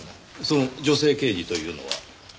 その女性刑事というのは？